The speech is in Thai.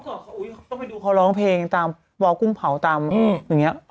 ต้องไปด้วยเขาร้องเพลงตามบุ๊บกุ้งเผาตามอย่างนี้